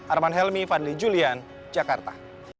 arman helmi fadli julian jakarta